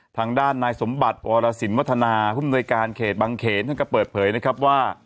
ทางด้านนายสมบัติวรสินวัฒนาภูมิหน่วยการเขตบางเขนท่านก็เปิดเผยนะครับว่า